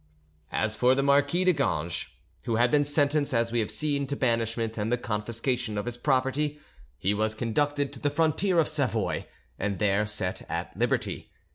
As for the Marquis de Ganges, who had been sentenced, as we have seen, to banishment and the confiscation of his property, he was conducted to the frontier of Savoy and there set at liberty.